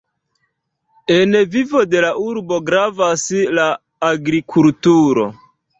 En vivo de la urbo gravas la agrikulturo.